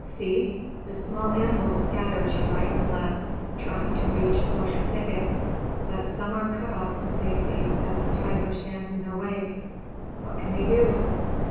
See! The small animals scatter to right and left, trying to reach a bush or thicket. But some are cut off from safety, as the tiger stands in their way. What can they do?